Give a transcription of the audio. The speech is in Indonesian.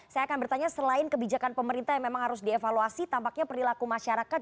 saya akan bertanya selain kebijakan pemerintah yang memang harus dievaluasi tampaknya perilaku masyarakat